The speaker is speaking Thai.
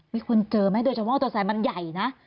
มีคนเจอไหมโดยเฉพาะว่าตัวเสมันใหญ่นะ